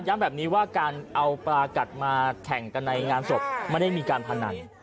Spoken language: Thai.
แบบนี้ว่าการเอาปลากัดมาแข่งกันในงานศพไม่ได้มีการพนัน